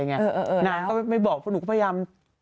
เจอไหม